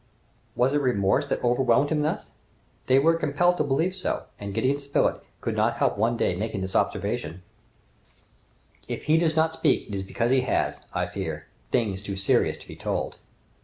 Was it remorse that overwhelmed him thus? They were compelled to believe so, and Gideon Spilett could not help one day making this observation, "If he does not speak it is because he has, I fear, things too serious to be told!"